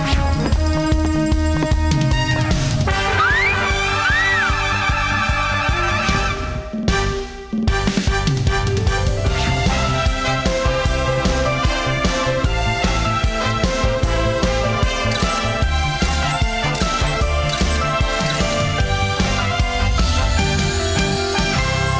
เข้าเลยรับพ่อ